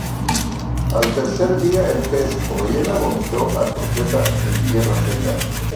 Al tercer día el pez o ballena vomitó al profeta en tierra seca.